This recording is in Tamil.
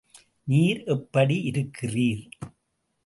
நீர் எப்படி இருக்கிறீர்?